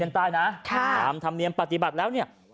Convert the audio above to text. ตามธรรมเนียมปฏิบัติแล้ว